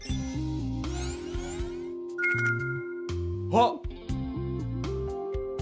あっ！